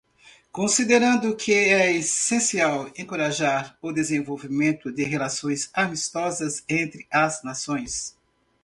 Considerando que é essencial encorajar o desenvolvimento de relações amistosas entre as nações;